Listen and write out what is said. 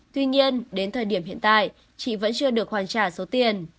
tuy nhiên đến thời điểm hiện tại chị vẫn chưa được hoàn trả số tiền